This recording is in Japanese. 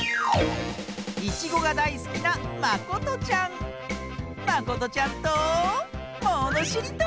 いちごがだいすきなまことちゃんとものしりとり！